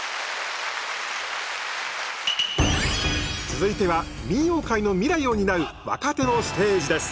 続いては民謡界の未来を担う若手のステージです。